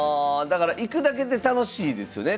だから行くだけで楽しいですよね